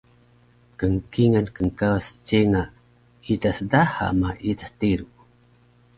Knkingal knkawas cenga idas daha ma idas teru